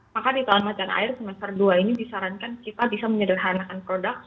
maka di tahun macan air semester dua ini disarankan kita bisa menyederhanakan produk